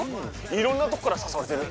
いろんなとこからさそわれてる。